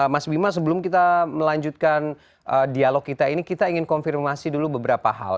mas bima sebelum kita melanjutkan dialog kita ini kita ingin konfirmasi dulu beberapa hal